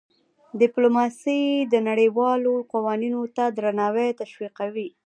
ډيپلوماسي د نړیوالو قوانینو ته درناوی تشویقوي.